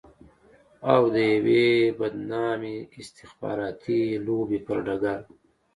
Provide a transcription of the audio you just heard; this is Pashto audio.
او د يوې بدنامې استخباراتي لوبې پر ډګر.